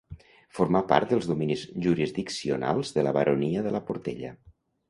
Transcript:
Formà part dels dominis jurisdiccionals de la baronia de la Portella.